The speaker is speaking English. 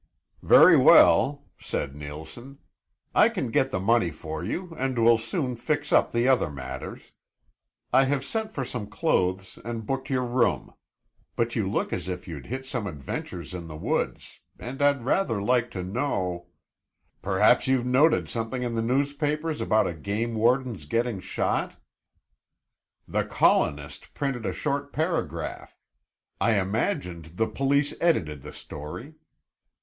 "Very well," said Neilson, "I can get the money for you and will soon fix up the other matters. I have sent for some clothes and booked your room. But you look as if you'd hit some adventures in the woods, and I'd rather like to know " "Perhaps you noted something in the newspapers about a game warden's getting shot?" "The Colonist printed a short paragraph; I imagined the police edited the story.